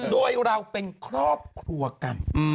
โดยเราเป็นครอบครัวกัน